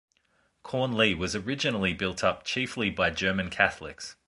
Cornlea was originally built up chiefly by German Catholics.